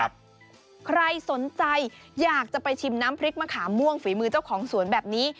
ใครสนใจอยากจะไปชิมน้ำพริกมะขามม่วงฝีมือเจ้าของสวนแบบนี้